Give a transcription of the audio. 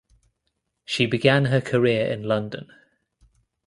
She began her career in London.